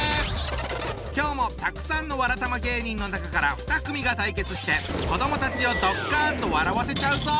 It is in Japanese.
今日もたくさんのわらたま芸人の中から２組が対決して子どもたちをドッカンと笑わせちゃうぞ！